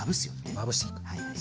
まぶしていくそう。